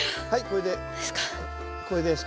はいこれで。